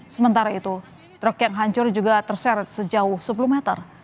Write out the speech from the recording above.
sementara itu truk yang hancur juga terseret sejauh sepuluh meter